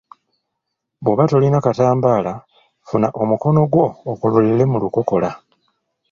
Bw’oba tolina katambaala, funya omukono gwo okololere mu lukokola.